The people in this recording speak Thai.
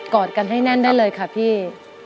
อดกันให้แน่นได้เลยค่ะพี่